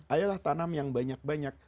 ayolah tanam yang banyak banyak